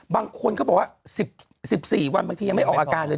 บางคนเขาบอกว่า๑๔วันบางทียังไม่ออกอาการเลย